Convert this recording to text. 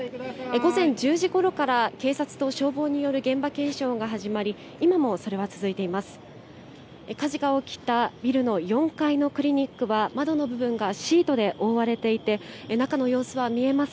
午前１０時ごろから警察と消防による現場検証が始まり今もそれは続いています。